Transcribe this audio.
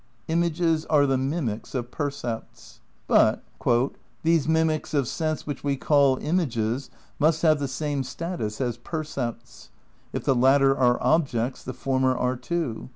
"Images are the mimics of percepts." * But, "These mimics of sense which we call images must have the same status as percepts. If the latter are objects the former are too.